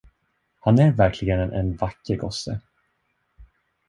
Han är verkligen en vacker gosse.